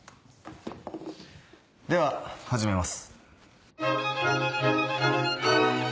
では始めます。